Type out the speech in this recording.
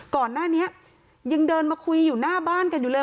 ก่อนหน้านี้ยังเดินมาคุยอยู่หน้าบ้านกันอยู่เลย